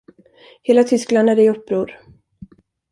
Hela Tyskland är i uppror.